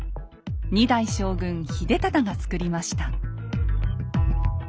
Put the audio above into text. ２代将軍秀忠が作りました。